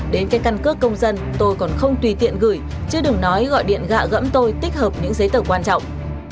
đến cái căn cước công dân tôi còn không tùy tiện gửi chứ đừng nói gọi điện gạ gẫm tôi tích hợp những giấy tờ quan trọng